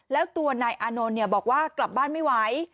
แล้วตัวนายอานนท์บอกว่ากลับบ้านไม่ไหว